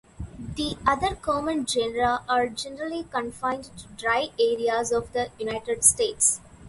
The other common genera are generally confined to dry areas of the United States.